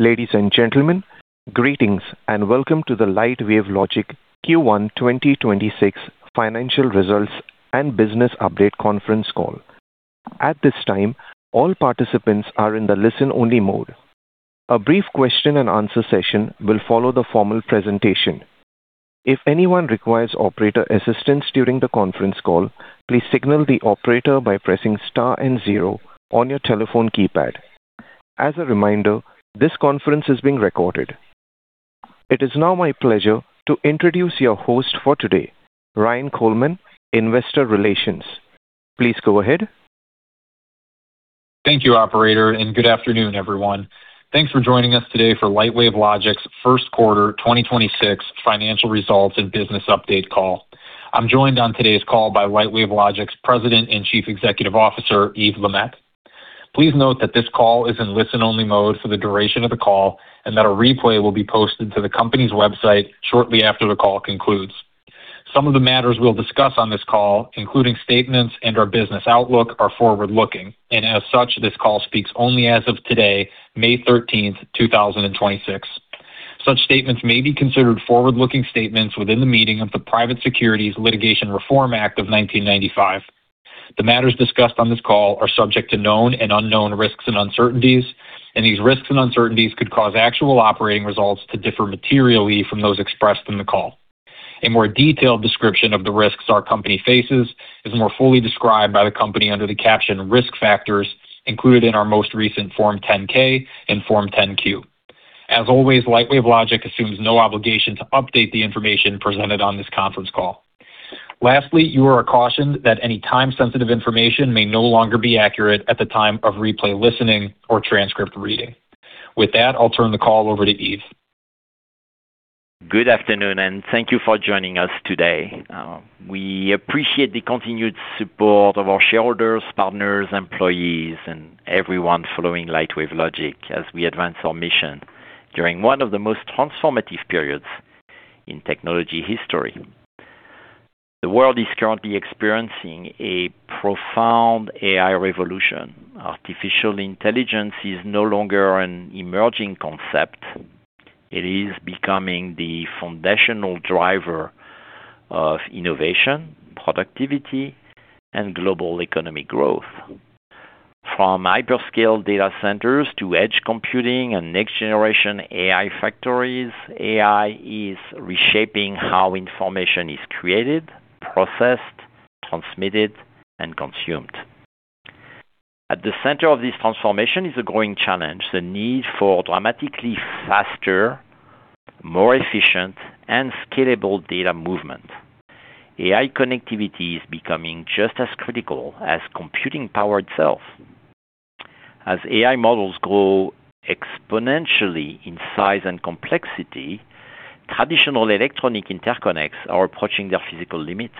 Ladies and gentlemen, greetings, and welcome to the Lightwave Logic Q1 2026 Financial Results and Business Update Conference Call. At this time, all participants are in the listen-only mode. A brief question and answer session will follow the formal presentation. If anyone requires operator assistance during the conference call, please signal the operator by pressing star and zero on your telephone keypad. As a reminder, this conference is being recorded. It is now my pleasure to introduce your host for today, Ryan Coleman, Investor Relations. Please go ahead. Thank you, operator, and good afternoon, everyone. Thanks for joining us today for Lightwave Logic's first quarter 2026 financial results and business update call. I'm joined on today's call by Lightwave Logic's President and Chief Executive Officer, Yves LeMaitre. Please note that this call is in listen-only mode for the duration of the call and that a replay will be posted to the company's website shortly after the call concludes. Some of the matters we'll discuss on this call, including statements and our business outlook, are forward-looking, and as such, this call speaks only as of today, May 13, 2026. Such statements may be considered forward-looking statements within the meaning of the Private Securities Litigation Reform Act of 1995. The matters discussed on this call are subject to known and unknown risks and uncertainties, and these risks and uncertainties could cause actual operating results to differ materially from those expressed in the call. A more detailed description of the risks our company faces is more fully described by the company under the caption Risk Factors included in our most recent Form 10-K and Form 10-Q. As always, Lightwave Logic assumes no obligation to update the information presented on this conference call. Lastly, you are cautioned that any time-sensitive information may no longer be accurate at the time of replay, listening, or transcript reading. With that, I'll turn the call over to Yves. Good afternoon, and thank you for joining us today. We appreciate the continued support of our shareholders, partners, employees, and everyone following Lightwave Logic as we advance our mission during one of the most transformative periods in technology history. The world is currently experiencing a profound AI revolution. Artificial Intelligence is no longer an emerging concept. It is becoming the foundational driver of innovation, productivity, and global economic growth. From hyperscale data centers to edge computing and next-generation AI factories, AI is reshaping how information is created, processed, transmitted, and consumed. At the center of this transformation is a growing challenge, the need for dramatically faster, more efficient, and scalable data movement. AI connectivity is becoming just as critical as computing power itself. As AI models grow exponentially in size and complexity, traditional electronic interconnects are approaching their physical limits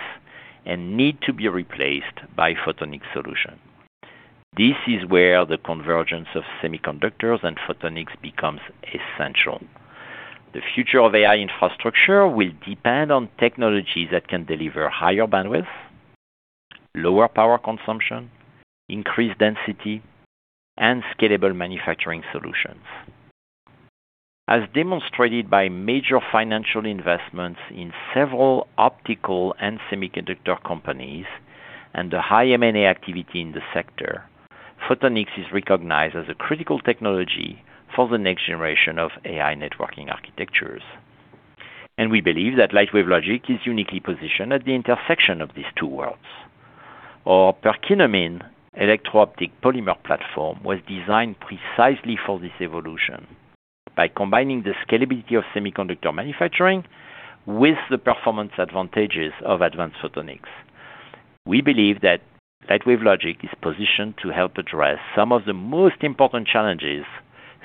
and need to be replaced by photonic solution. This is where the convergence of semiconductors and photonics becomes essential. The future of AI infrastructure will depend on technologies that can deliver higher bandwidth, lower power consumption, increased density, and scalable manufacturing solutions. As demonstrated by major financial investments in several optical and semiconductor companies and the high M&A activity in the sector, photonics is recognized as a critical technology for the next generation of AI networking architectures. We believe that Lightwave Logic is uniquely positioned at the intersection of these two worlds. Our Perkinamine electro-optic polymer platform was designed precisely for this evolution. By combining the scalability of semiconductor manufacturing with the performance advantages of advanced photonics, we believe that Lightwave Logic is positioned to help address some of the most important challenges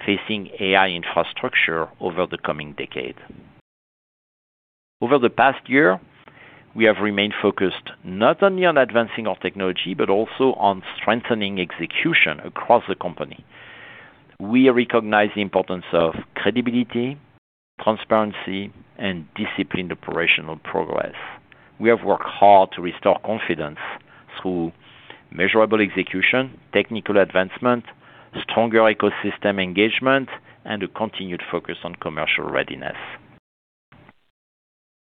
facing AI infrastructure over the coming decade. Over the past year, we have remained focused not only on advancing our technology, but also on strengthening execution across the company. We recognize the importance of credibility, transparency, and disciplined operational progress. We have worked hard to restore confidence through measurable execution, technical advancement, stronger ecosystem engagement, and a continued focus on commercial readiness.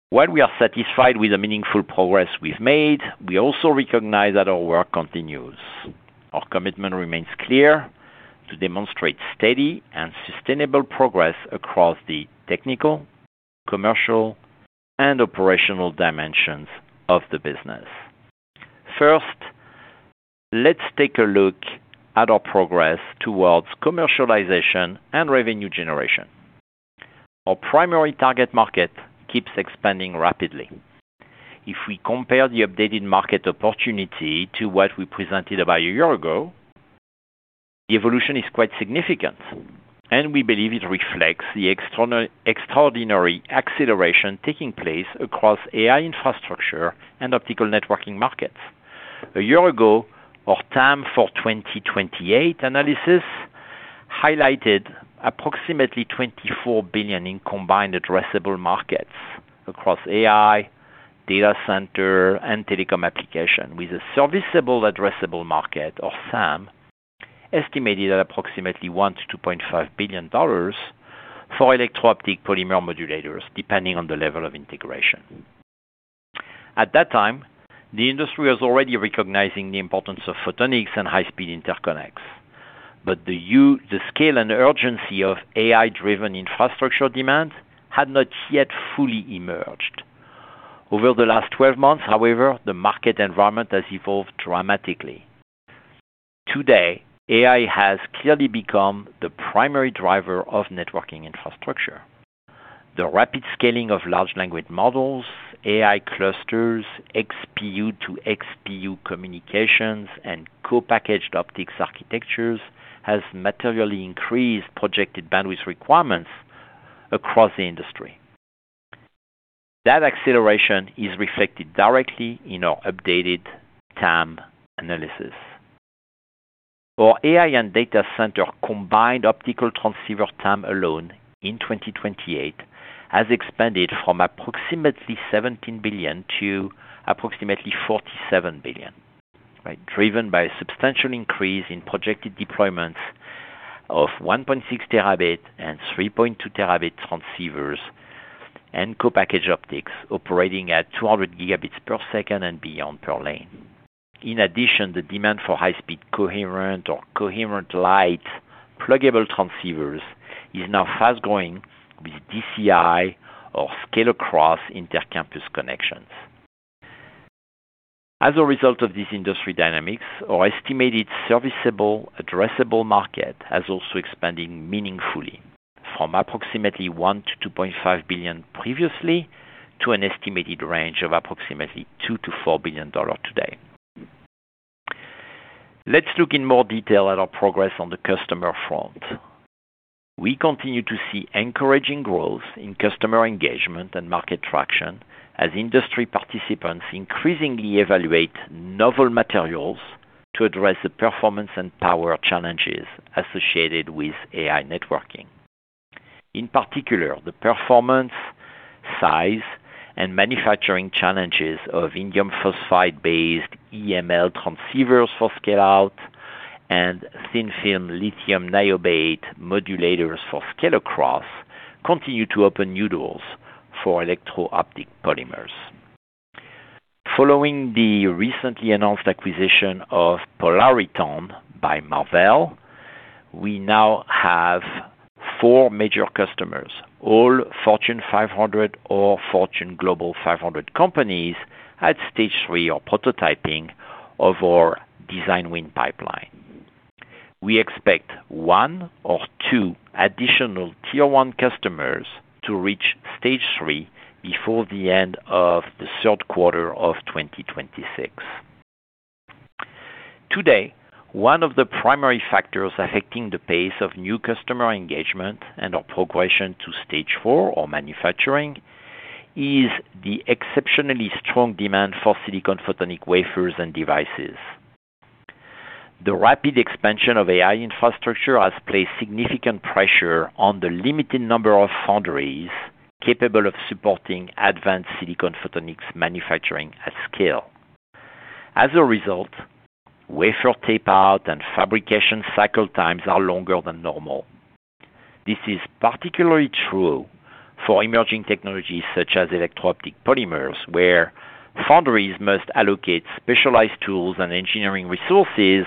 While we are satisfied with the meaningful progress we've made, we also recognize that our work continues. Our commitment remains clear to demonstrate steady and sustainable progress across the technical, commercial, and operational dimensions of the business. First, let's take a look at our progress towards commercialization and revenue generation. Our primary target market keeps expanding rapidly. If we compare the updated market opportunity to what we presented about a year ago, the evolution is quite significant, and we believe it reflects the extraordinary acceleration taking place across AI infrastructure and optical networking markets. A year ago, our time for 2028 analysis highlighted approximately $24 billion in combined addressable markets across AI, data center and telecom application with a serviceable addressable market or SAM estimated at approximately $1 billion-$2.5 billion for electro-optic polymer modulators, depending on the level of integration. At that time, the industry was already recognizing the importance of photonics and high-speed interconnects. The scale and urgency of AI-driven infrastructure demands had not yet fully emerged. Over the last 12 months, however, the market environment has evolved dramatically. Today, AI has clearly become the primary driver of networking infrastructure. The rapid scaling of large language models, AI clusters, XPU to XPU communications, and co-packaged optics architectures has materially increased projected bandwidth requirements across the industry. That acceleration is reflected directly in our updated TAM analysis. Our AI and data center combined optical transceiver TAM alone in 2028 has expanded from approximately $17 billion to approximately $47 billion, right? Driven by a substantial increase in projected deployments of 1.6Tb and 3.2Tb transceivers and co-packaged optics operating at 200 Gbps and beyond per lane. In addition, the demand for high-speed coherent or coherent-lite pluggable transceivers is now fast-growing with DCI or scale-across intercampus connections. As a result of these industry dynamics, our estimated serviceable addressable market has also expanded meaningfully from approximately $1 billion-$2.5 billion previously to an estimated range of approximately $2 billion-$4 billion today. Let's look in more detail at our progress on the customer front. We continue to see encouraging growth in customer engagement and market traction as industry participants increasingly evaluate novel materials to address the performance and power challenges associated with AI networking. In particular, the performance, size, and manufacturing challenges of Indium Phosphide-based EML transceivers for scale-out and Thin-Film Lithium Niobate modulators for scale-across continue to open new doors for electro-optic polymers. Following the recently announced acquisition of Polariton by Marvell, we now have four major customers, all Fortune 500 or Fortune Global 500 companies at stage three or prototyping of our design win pipeline. We expect one or two additional Tier one customers to reach stage three before the end of the third quarter of 2026. Today, one of the primary factors affecting the pace of new customer engagement and our progression to stage four or manufacturing is the exceptionally strong demand for silicon photonics wafers and devices. The rapid expansion of AI infrastructure has placed significant pressure on the limited number of foundries capable of supporting advanced silicon photonics manufacturing at scale. As a result, wafer tape-out and fabrication cycle times are longer than normal. This is particularly true for emerging technologies such as electro-optic polymers, where foundries must allocate specialized tools and engineering resources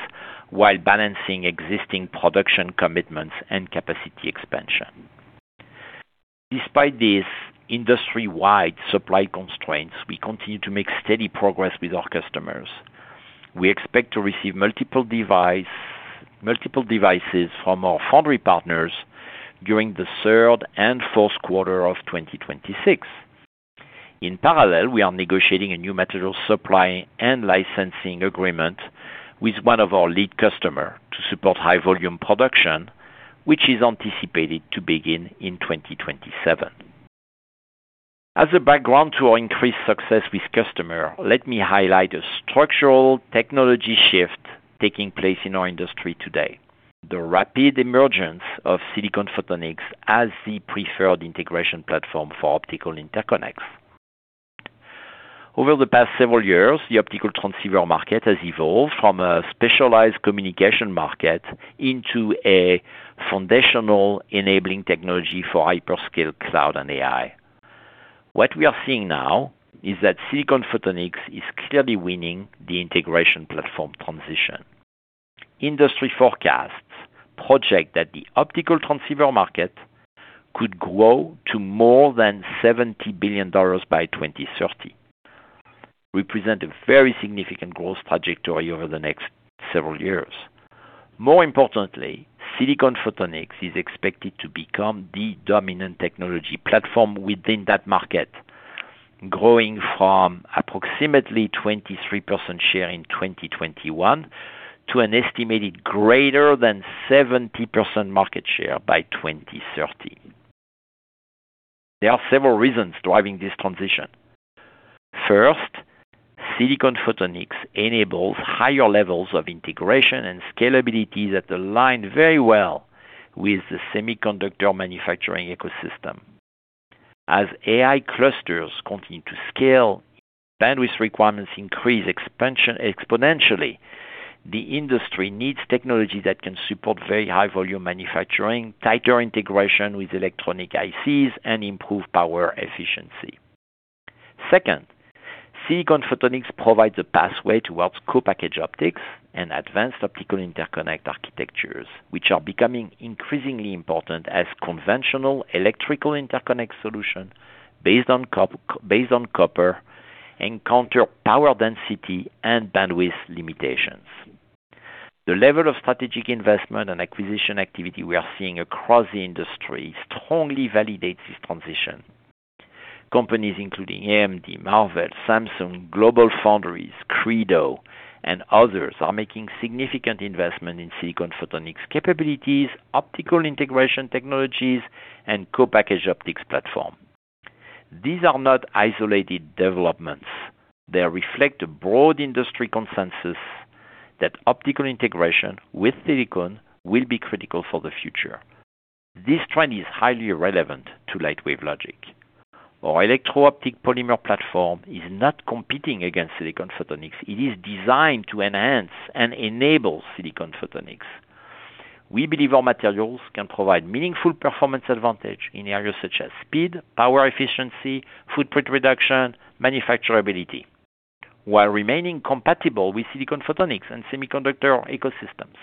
while balancing existing production commitments and capacity expansion. Despite these industry-wide supply constraints, we continue to make steady progress with our customers. We expect to receive multiple devices from our foundry partners during the third and fourth quarter of 2026. In parallel, we are negotiating a new material supply and licensing agreement with one of our lead customer to support high volume production, which is anticipated to begin in 2027. As a background to our increased success with customer, let me highlight a structural technology shift taking place in our industry today, the rapid emergence of silicon photonics as the preferred integration platform for optical interconnects. Over the past several years, the optical transceiver market has evolved from a specialized communication market into a foundational enabling technology for hyperscale cloud and AI. What we are seeing now is that silicon photonics is clearly winning the integration platform transition. Industry forecasts project that the optical transceiver market could grow to more than $70 billion by 2030. Represent a very significant growth trajectory over the next several years. More importantly, silicon photonics is expected to become the dominant technology platform within that market, growing from approximately 23% share in 2021 to an estimated greater than 70% market share by 2030. There are several reasons driving this transition. First, silicon photonics enables higher levels of integration and scalability that align very well with the semiconductor manufacturing ecosystem. As AI clusters continue to scale, bandwidth requirements increase exponentially. The industry needs technology that can support very high volume manufacturing, tighter integration with electronic ICs, and improve power efficiency. Second, silicon photonics provides a pathway towards co-packaged optics and advanced optical interconnect architectures, which are becoming increasingly important as conventional electrical interconnect solution based on copper encounter power density and bandwidth limitations. The level of strategic investment and acquisition activity we are seeing across the industry strongly validates this transition. Companies including AMD, Marvell, Samsung, GlobalFoundries, Credo, and others are making significant investment in silicon photonics capabilities, optical integration technologies, and co-packaged optics platform. These are not isolated developments. They reflect a broad industry consensus that optical integration with silicon will be critical for the future. This trend is highly relevant to Lightwave Logic. Our electro-optic polymer platform is not competing against silicon photonics. It is designed to enhance and enable silicon photonics. We believe our materials can provide meaningful performance advantage in areas such as speed, power efficiency, footprint reduction, manufacturability, while remaining compatible with silicon photonics and semiconductor ecosystems.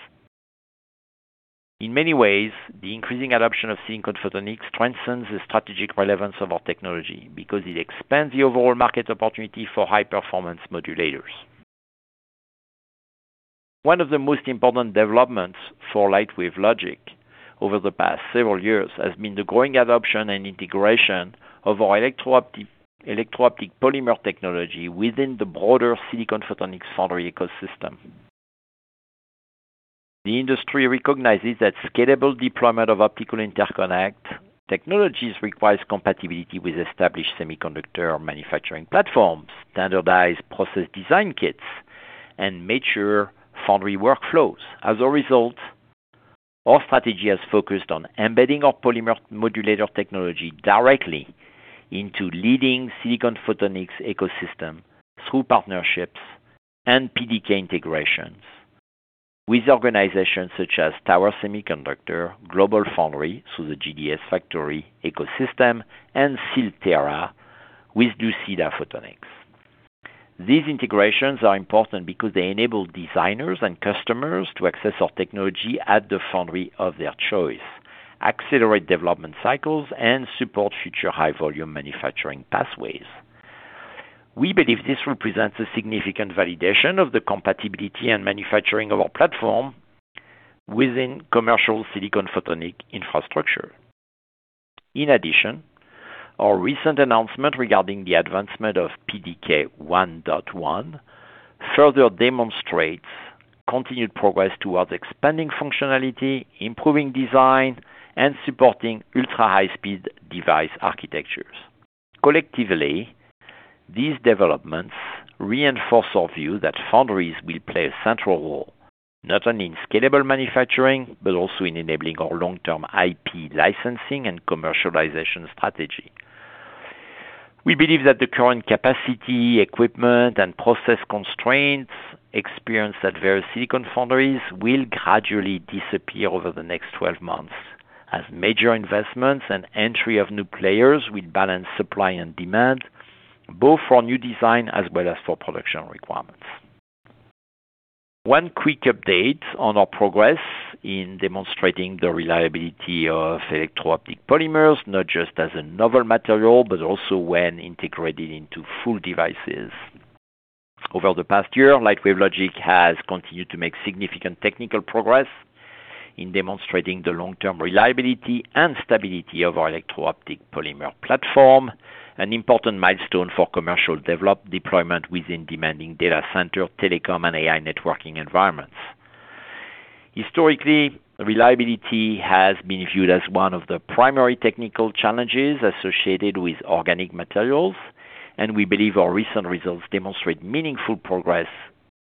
In many ways, the increasing adoption of silicon photonics transcends the strategic relevance of our technology because it expands the overall market opportunity for high-performance modulators. One of the most important developments for Lightwave Logic over the past several years has been the growing adoption and integration of our electro-optic polymer technology within the broader silicon photonics foundry ecosystem. The industry recognizes that scalable deployment of optical interconnect technologies requires compatibility with established semiconductor manufacturing platforms, standardized Process Design Kits, and mature foundry workflows. As a result, our strategy has focused on embedding our polymer modulator technology directly into leading silicon photonics ecosystem through partnerships and PDK integrations with organizations such as Tower Semiconductor, GlobalFoundries through the GDSFactory ecosystem, and Silterra with Luceda Photonics. These integrations are important because they enable designers and customers to access our technology at the foundry of their choice, accelerate development cycles, and support future high-volume manufacturing pathways. We believe this represents a significant validation of the compatibility and manufacturing of our platform within commercial silicon photonic infrastructure. In addition, our recent announcement regarding the advancement of PDK 1.1 further demonstrates continued progress towards expanding functionality, improving design, and supporting ultra-high-speed device architectures. Collectively, these developments reinforce our view that foundries will play a central role, not only in scalable manufacturing, but also in enabling our long-term IP licensing and commercialization strategy. We believe that the current capacity, equipment, and process constraints experienced at various silicon foundries will gradually disappear over the next 12 months as major investments and entry of new players will balance supply and demand, both for new design as well as for production requirements. One quick update on our progress in demonstrating the reliability of electro-optic polymers, not just as a novel material, but also when integrated into full devices. Over the past year, Lightwave Logic has continued to make significant technical progress in demonstrating the long-term reliability and stability of our electro-optic polymer platform, an important milestone for commercial deployment within demanding data center, telecom, and AI networking environments. Historically, reliability has been viewed as one of the primary technical challenges associated with organic materials. We believe our recent results demonstrate meaningful progress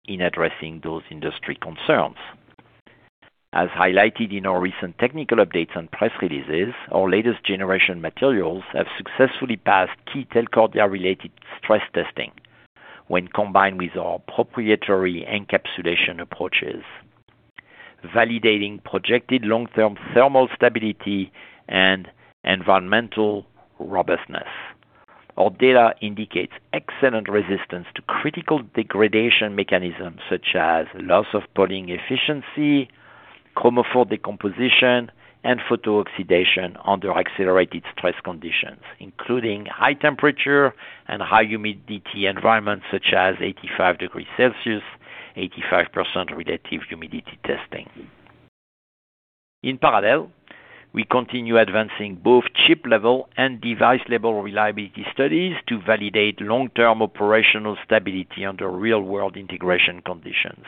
in addressing those industry concerns. As highlighted in our recent technical updates and press releases, our latest generation materials have successfully passed key telco-related stress testing when combined with our proprietary encapsulation approaches, validating projected long-term thermal stability and environmental robustness. Our data indicates excellent resistance to critical degradation mechanisms such as loss of poling efficiency, chromophore decomposition, and photooxidation under accelerated stress conditions, including high temperature and high humidity environments such as 85 degrees Celsius, 85% relative humidity testing. In parallel, we continue advancing both chip-level and device-level reliability studies to validate long-term operational stability under real-world integration conditions.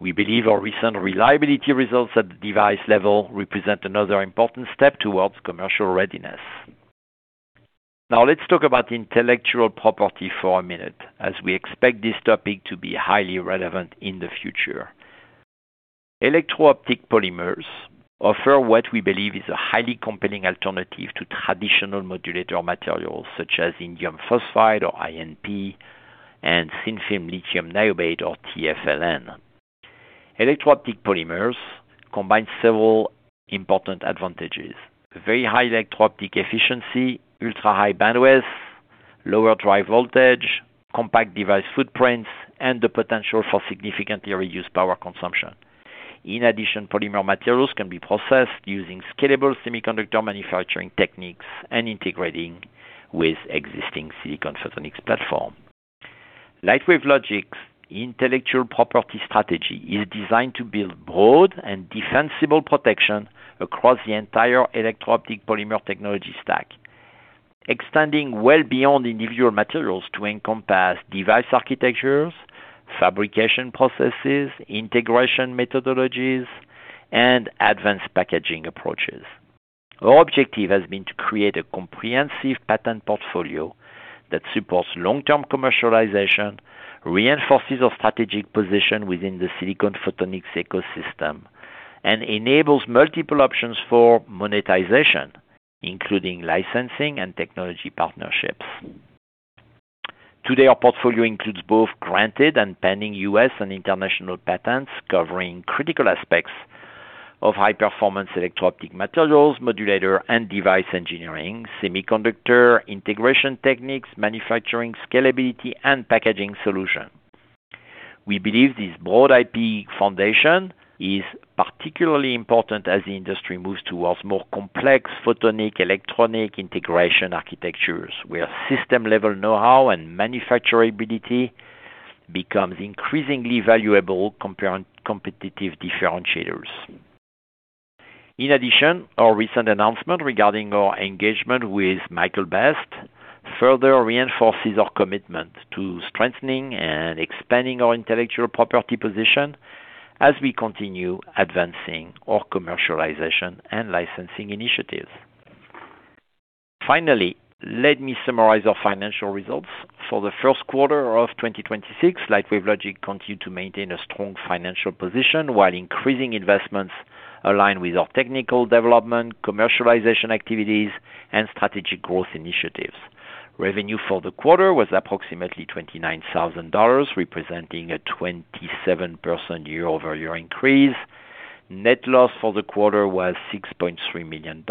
We believe our recent reliability results at the device level represent another important step towards commercial readiness. Let's talk about intellectual property for a minute, as we expect this topic to be highly relevant in the future. Electro-optic polymers offer what we believe is a highly compelling alternative to traditional modulator materials such as Indium Phosphide or InP and Thin-Film Lithium Niobate or TFLN. Electro-optic polymers combine several important advantages. Very high electro-optic efficiency, ultra-high bandwidth, lower drive voltage, compact device footprints, and the potential for significantly reduced power consumption. Polymer materials can be processed using scalable semiconductor manufacturing techniques and integrating with existing silicon photonics platform. Lightwave Logic's intellectual property strategy is designed to build broad and defensible protection across the entire electro-optic polymer technology stack, extending well beyond individual materials to encompass device architectures, fabrication processes, integration methodologies, and advanced packaging approaches. Our objective has been to create a comprehensive patent portfolio that supports long-term commercialization, reinforces our strategic position within the silicon photonics ecosystem, and enables multiple options for monetization, including licensing and technology partnerships. Today, our portfolio includes both granted and pending U.S. and international patents covering critical aspects of high-performance electro-optic materials, modulator and device engineering, semiconductor integration techniques, manufacturing scalability, and packaging solution. We believe this broad IP foundation is particularly important as the industry moves towards more complex photonic electronic integration architectures, where system-level know-how and manufacturability becomes increasingly valuable competitive differentiators. In addition, our recent announcement regarding our engagement with Michael Best further reinforces our commitment to strengthening and expanding our intellectual property position as we continue advancing our commercialization and licensing initiatives. Finally, let me summarize our financial results. For the first quarter of 2026, Lightwave Logic continued to maintain a strong financial position while increasing investments aligned with our technical development, commercialization activities, and strategic growth initiatives. Revenue for the quarter was approximately $29,000, representing a 27% year-over-year increase. Net loss for the quarter was $6.3 million,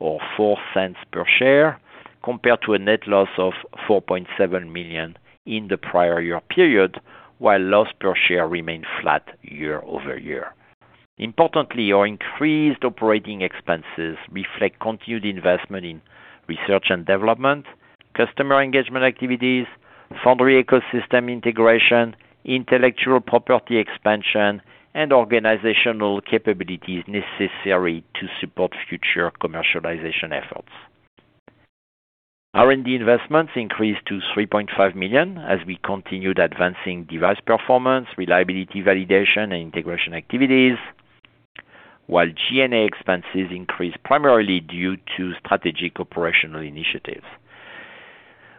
or $0.04 per share, compared to a net loss of $4.7 million in the prior year period, while loss per share remained flat year-over-year. Importantly, our increased operating expenses reflect continued investment in research and development, customer engagement activities, foundry ecosystem integration, intellectual property expansion, and organizational capabilities necessary to support future commercialization efforts. R&D investments increased to $3.5 million as we continued advancing device performance, reliability validation, and integration activities, while G&A expenses increased primarily due to strategic operational initiatives.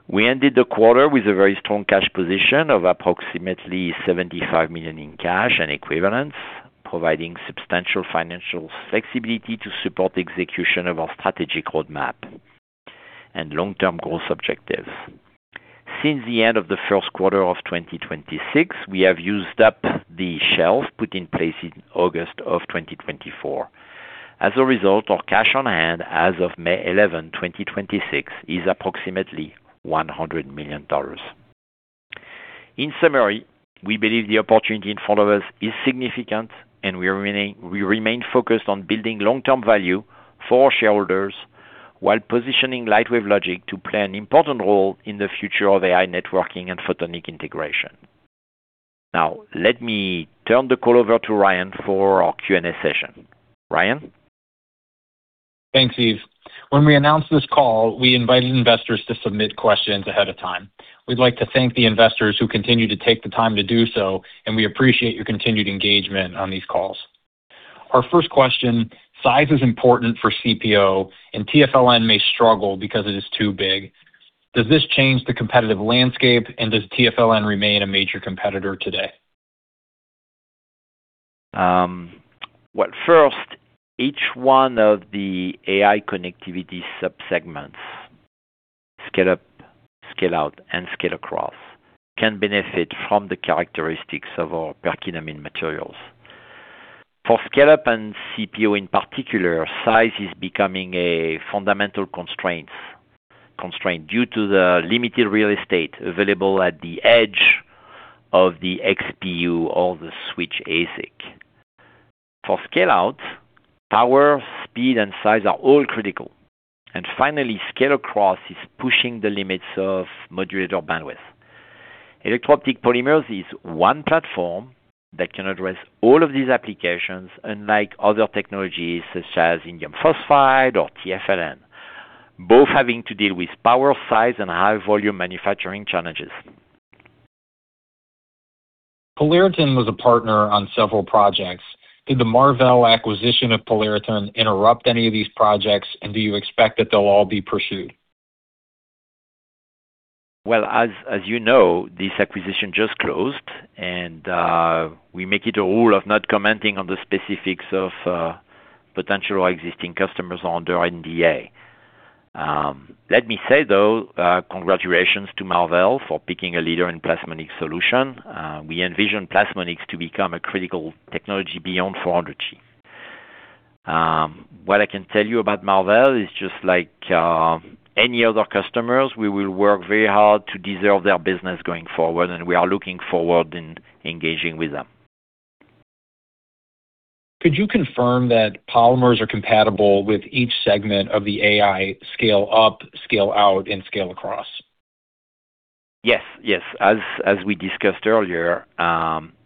We ended the quarter with a very strong cash position of approximately $75 million in cash and equivalents, providing substantial financial flexibility to support the execution of our strategic roadmap and long-term growth objectives. Since the end of the first quarter of 2026, we have used up the shelves put in place in August of 2024. As a result, our cash on hand as of May 11, 2026 is approximately $100 million. In summary, we believe the opportunity in front of us is significant, and we remain focused on building long-term value for our shareholders while positioning Lightwave Logic to play an important role in the future of AI networking and photonic integration. Now, let me turn the call over to Ryan for our Q&A session. Ryan. Thanks, Yves. When we announced this call, we invited investors to submit questions ahead of time. We'd like to thank the investors who continue to take the time to do so, and we appreciate your continued engagement on these calls. Our first question, size is important for CPO, and TFLN may struggle because it is too big. Does this change the competitive landscape, and does TFLN remain a major competitor today? Well, first, each one of the AI connectivity sub-segments, scale up, scale out, and scale across, can benefit from the characteristics of our Perkinamine materials. For scale up and CPO in particular, size is becoming a fundamental constraint due to the limited real estate available at the edge of the XPU or the switch ASIC. For scale out, power, speed, and size are all critical. Finally, scale across is pushing the limits of modulator bandwidth. Electro-optic polymers is one platform that can address all of these applications, unlike other technologies such as indium phosphide or TFLN, both having to deal with power, size, and high volume manufacturing challenges. Polariton was a partner on several projects. Did the Marvell acquisition of Polariton interrupt any of these projects, and do you expect that they'll all be pursued? Well, as you know, this acquisition just closed, we make it a rule of not commenting on the specifics of potential or existing customers under NDA. Let me say, though, congratulations to Marvell for picking a leader in plasmonics solution. We envision plasmonics to become a critical technology beyond 400 G. What I can tell you about Marvell is just like any other customers, we will work very hard to deserve their business going forward, and we are looking forward in engaging with them. Could you confirm that polymers are compatible with each segment of the AI scale up, scale out, and scale across? Yes, yes. As we discussed earlier,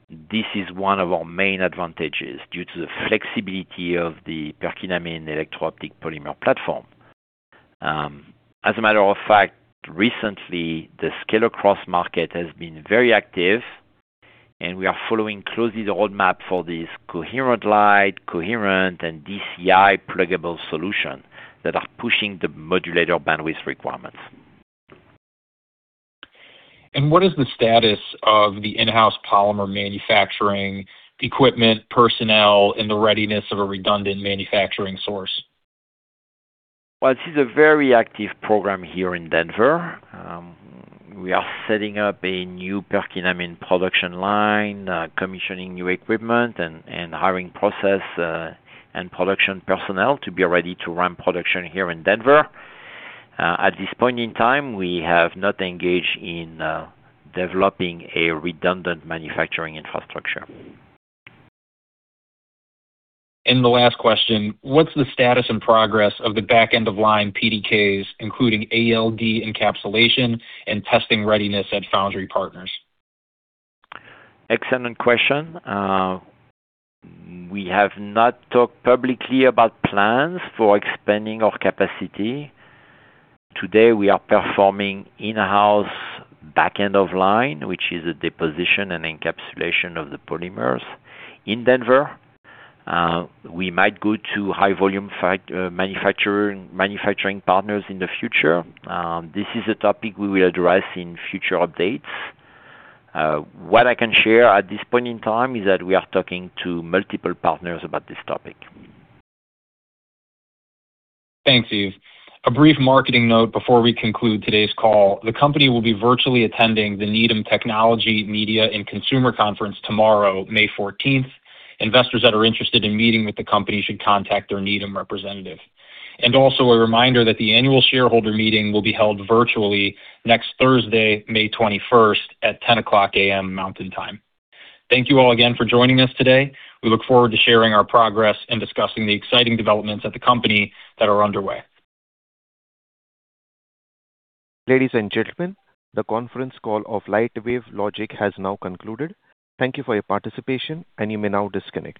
this is one of our main advantages due to the flexibility of the Perkinamine electro-optic polymer platform. As a matter of fact, recently, the scale across market has been very active, and we are following closely the roadmap for this coherent light, and DCI pluggable solution that are pushing the modulator bandwidth requirements. What is the status of the in-house polymer manufacturing equipment, personnel, and the readiness of a redundant manufacturing source? This is a very active program here in Denver. We are setting up a new Perkinamine production line, commissioning new equipment and hiring process and production personnel to be ready to ramp production here in Denver. At this point in time, we have not engaged in developing a redundant manufacturing infrastructure. The last question, what's the status and progress of the back end of line PDKs, including ALD encapsulation and testing readiness at foundry partners? Excellent question. We have not talked publicly about plans for expanding our capacity. Today, we are performing in-house back end of line, which is a deposition and encapsulation of the polymers in Denver. We might go to high volume manufacturing partners in the future. This is a topic we will address in future updates. What I can share at this point in time is that we are talking to multiple partners about this topic. Thanks, Yves. A brief marketing note before we conclude today's call. The company will be virtually attending the Needham Technology, Media, and Consumer Conference tomorrow, May 14th. Investors that are interested in meeting with the company should contact their Needham representative. Also a reminder that the annual shareholder meeting will be held virtually next Thursday, May 21st at 10:00 A.M. Mountain Time. Thank you all again for joining us today. We look forward to sharing our progress and discussing the exciting developments at the company that are underway. Ladies and gentlemen, the conference call of Lightwave Logic has now concluded. Thank you for your participation, and you may now disconnect.